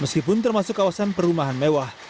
meskipun termasuk kawasan perumahan mewah